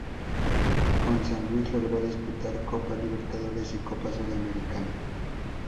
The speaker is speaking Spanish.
Con San Luis logró disputar Copa Libertadores y Copa Sudamericana.